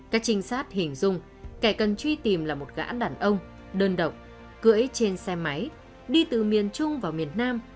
các trinh sát hình dung kẻ cần truy tìm là một gã đàn ông đơn độc cưỡi trên xe máy đi từ miền trung vào miền nam